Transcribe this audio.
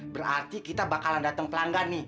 berarti kita bakalan datang pelanggan nih